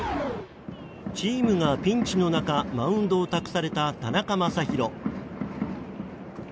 チームがピンチの中マウンドを託された田中将大。